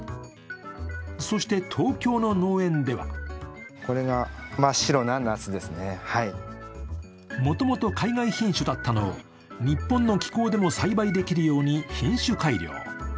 そして、東京の農園ではもともと海外品種だったのを日本の気候でも栽培できるように品種改良。